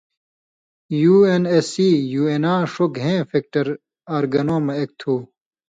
یُو اېن اېس سی، یُو اېناں ݜوْ گھئیں فیکٹر/ آرگنوں مہ ایک تھو۔